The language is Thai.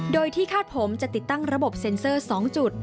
โดยที่คาดผมจะติดตั้งระบบเซ็นเซอร์๒จุด